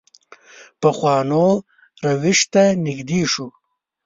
پخوانو روش ته نږدې شو.